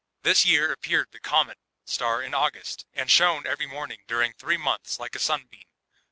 This year appeared the comet star in August, and shone every morning during three months like a simbeam.